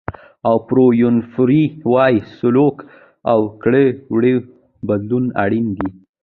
اوپرا وینفري وایي سلوک او کړو وړو بدلون اړین دی.